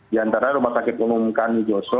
di antara rumah sakit umum kami joso